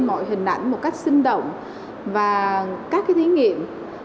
mọi hình ảnh một cách sinh động và các thí nghiệm